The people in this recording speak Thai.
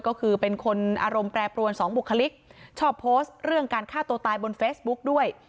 ก็คือเป็นคนอารมณ์แปรปรวนสองบุคลิกชอบโพสต์เรื่องการฆ่าตัวตายบนเฟซบุ๊กด้วย